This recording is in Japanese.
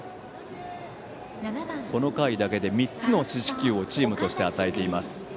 この回だけで３つの四死球をチームとして与えています